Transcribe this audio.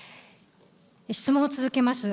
質問を続けます。